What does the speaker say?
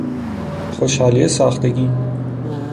خوشحالی ساختگی